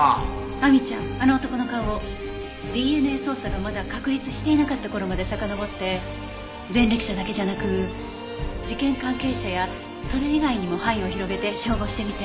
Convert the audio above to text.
亜美ちゃんあの男の顔をＤＮＡ捜査がまだ確立していなかった頃までさかのぼって前歴者だけじゃなく事件関係者やそれ以外にも範囲を広げて照合してみて。